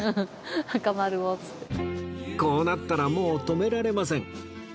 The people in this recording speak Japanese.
こうなったらもう止められません